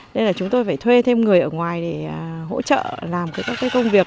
nên là chúng tôi phải thuê thêm người ở ngoài để hỗ trợ làm các công việc